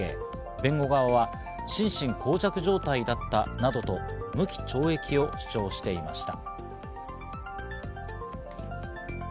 弁護側は心神耗弱状態だったなどと無期懲役を主張していました。